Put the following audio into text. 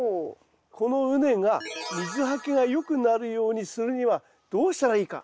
この畝が水はけがよくなるようにするにはどうしたらいいか。